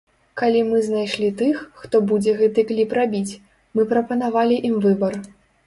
Калі мы знайшлі тых, хто будзе гэты кліп рабіць, мы прапанавалі ім выбар.